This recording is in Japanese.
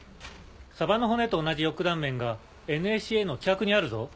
サバの骨と同じ翼断面がＮＡＣＡの規格にあるぞ。